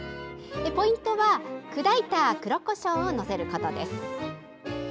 ポイントは砕いた黒こしょうを載せることです。